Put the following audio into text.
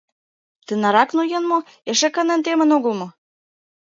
Тынарак ноен мо, эше канен темын огыл мо?